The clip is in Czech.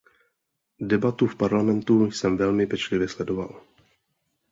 Debatu v Parlamentu jsem velmi pečlivě sledoval.